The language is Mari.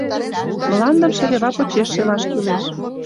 Мландым шерева почеш шелаш кӱлеш.